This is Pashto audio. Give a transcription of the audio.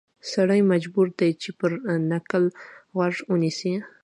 سړی مجبور دی چې پر نکل غوږ ونیسي.